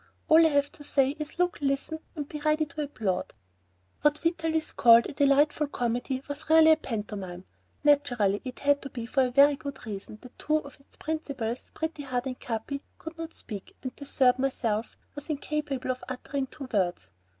All I have to say is look, listen, and be ready to applaud." What Vitalis called a delightful comedy was really a pantomime; naturally it had to be for the very good reason that two of its principals, Pretty Heart and Capi, could not speak, and the third, myself, was incapable of uttering two words.